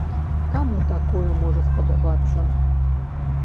Каму такое можа спадабацца?